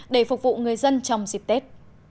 để phục vụ người dân trong dịp tết